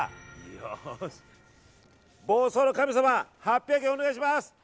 よし、房総の神様８００円お願いします！